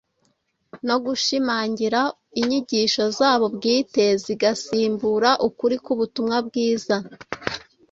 no gushimangira inyigisho zabo bwite zigasimbura ukuri k’ubutumwa bwiza.